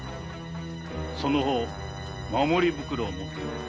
その方守り袋を持っておろう。